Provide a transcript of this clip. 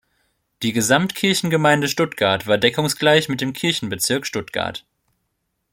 Die Gesamtkirchengemeinde Stuttgart war deckungsgleich mit dem Kirchenbezirk Stuttgart.